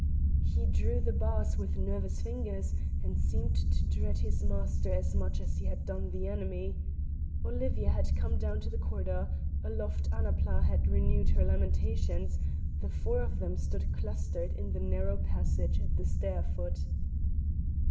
He drew the bars with nervous fingers, and seemed to dread his master as much as he had done the enemy. Olivia had come down to the corridor; aloft Annapla had renewed her lamentations; the four of them stood clustered in the narrow passage at the stair foot.